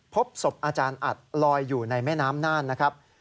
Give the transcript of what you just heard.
พบศพอาจารย์อัดลอยอยู่ในแม่น้ำน่านนะครับ